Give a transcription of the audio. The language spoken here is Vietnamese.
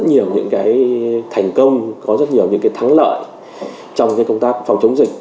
rất nhiều những cái thành công có rất nhiều những cái thắng lợi trong cái công tác phòng chống dịch